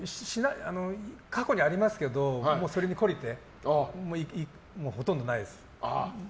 過去にありますけどそれに懲りてもうほとんどないです。